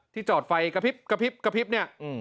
ที่จอดไฟกระพริบเนี่ย